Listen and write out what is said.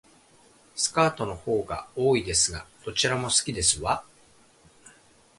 スカートの方が多いですが、どちらも好きですわ